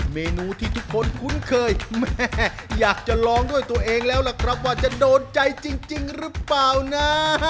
เมนูที่ทุกคนคุ้นเคยแม่อยากจะลองด้วยตัวเองแล้วล่ะครับว่าจะโดนใจจริงหรือเปล่านะ